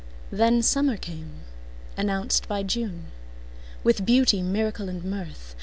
Then summer came, announced by June, With beauty, miracle and mirth.